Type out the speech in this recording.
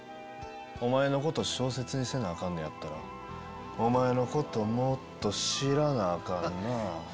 お前のこと小説にせなアカンのやったらお前のこともっと知らなアカンなぁ。